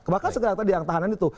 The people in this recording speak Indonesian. maka yang tadi yang tahanan itu